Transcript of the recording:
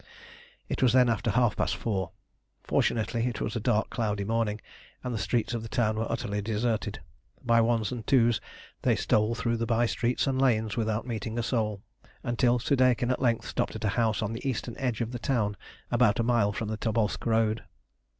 It was then after half past four. Fortunately it was a dark cloudy morning, and the streets of the town were utterly deserted. By ones and twos they stole through the by streets and lanes without meeting a soul, until Soudeikin at length stopped at a house on the eastern edge of the town about a mile from the Tobolsk road.